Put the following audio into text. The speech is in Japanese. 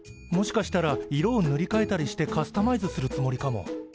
もしかしたら色をぬりかえたりしてカスタマイズするつもりかも。